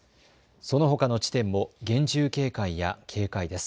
そのほかの地点も厳重警戒や警戒です。